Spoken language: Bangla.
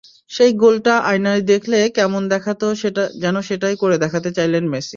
সেই গোলটা আয়নায় দেখলে কেমন দেখাত—যেন সেটাই করে দেখাতে চাইলেন মেসি।